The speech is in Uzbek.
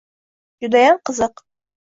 Judayam qiziq.